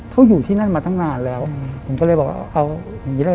เขาอยู่ที่นั่นมาตั้งนานแล้วผมก็เลยบอกว่าเอาอย่างงี้แล้วเห